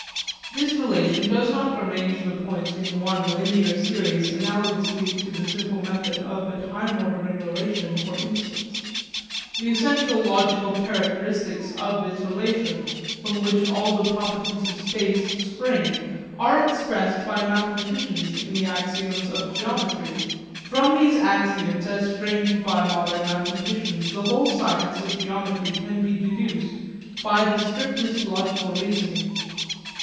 This relation does not arrange the points in one linear series analogously to the simple method of the time ordering relation for instants. The essential logical characteristics of this relation from which all the properties of space spring are expressed by mathematicians in the axioms of geometry. From these axioms as framed by modern mathematicians the whole science of geometry can be deduced by the strictest logical reasoning.